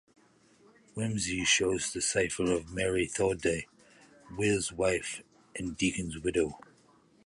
Wimsey shows the cipher to Mary Thoday, Will's wife and Deacon's widow.